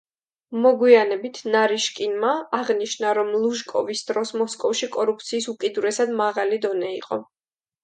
მოგვიანებით, ნარიშკინმა აღნიშნა, რომ ლუჟკოვის დროს მოსკოვში კორუფციის „უკიდურესად მაღალი“ დონე იყო.